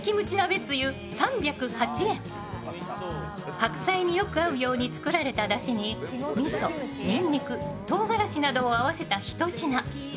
白菜によく合うように作られただしにみそ、にんにく、とうがらしなどを合わせた一品。